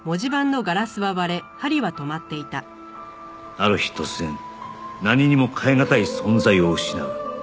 ある日突然何にも代えがたい存在を失う